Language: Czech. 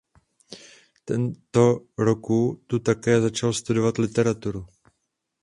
Tento roku tu také začal studovat literaturu.